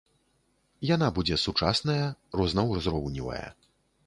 Яна будзе сучасная, рознаўзроўневая.